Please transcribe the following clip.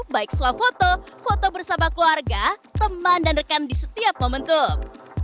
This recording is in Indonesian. baik swafoto foto bersama keluarga teman dan rekan di setiap momentum